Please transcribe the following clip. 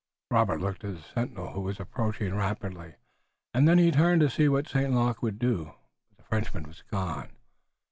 Robert looked at the sentinel who was approaching rapidly, and then he turned to see what St Luc would do. But the Frenchman was gone.